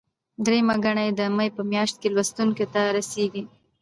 درېیمه ګڼه یې د مې په میاشت کې لوستونکو ته رسیږي.